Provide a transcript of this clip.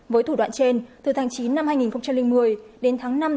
với thủ đoạn trên từ tháng chín năm hai nghìn một mươi đến tháng năm năm hai nghìn một mươi một